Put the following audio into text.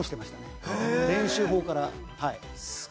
全部、練習法から。